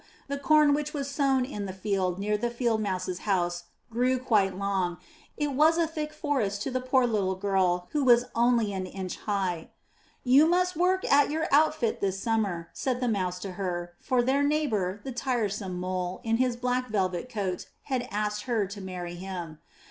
The corn which was sown in the field near the Field Mouse's house grew quite long; it was a thick forest for the poor little girl who was only an inch high. "You must work at your outfit this summer," said the mouse to her, for their neighbour, the tiresome Mole in his black velvet coat, had asked her to marry him.